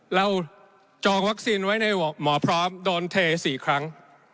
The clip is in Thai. จองวัคซีนไว้ในหมอพร้อมโดนเท๔ครั้ง